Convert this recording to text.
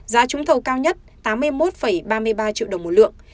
giá trúng thầu cao nhất tám mươi một ba mươi ba triệu đồng một lượng